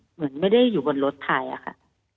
เหมือนไม่ได้อยู่บนรถไทยอะค่ะ